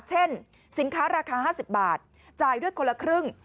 เช่นสินค้าราคา๕๐บาทจ่ายด้วยคนละครึ่ง